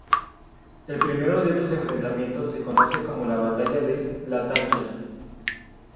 El primero de estos enfrentamientos se conoce como la Batalla de Latakia.